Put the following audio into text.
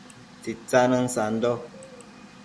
Tsitsanën sando